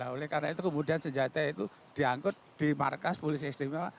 oleh karena itu kemudian senjata itu diangkut di markas polisi istimewa